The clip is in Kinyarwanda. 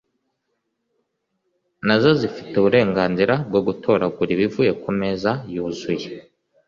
Nazo zifite uburengarizira bwo gutoragura ibivuye ku meza yuzuye.